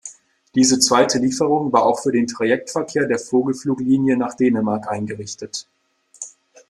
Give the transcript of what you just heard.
Diese zweite Lieferung war auch für den Trajektverkehr der Vogelfluglinie nach Dänemark eingerichtet.